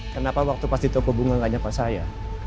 kenapa waktu pas di toko bunga nggak nyapa saya